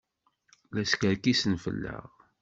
La skerkisen fell-aɣ.